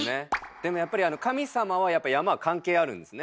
でもやっぱり神様はやっぱり山は関係あるんですね。